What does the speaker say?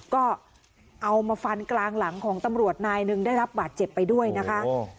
ก็เอามาฟันกลางหลังของตำรวจนายหนึ่งได้รับบาดเจ็บไปด้วยนะคะ